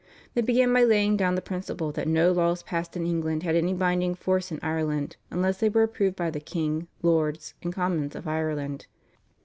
They began by laying down the principle that no laws passed in England had any binding force in Ireland unless they were approved by the king, lords, and commons of Ireland.